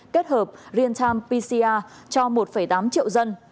kết hợp rientam pcr cho một tám triệu dân